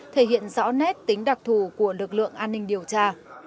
thể hiện rõ nét tính đặc thù của lực lượng an ninh điều tra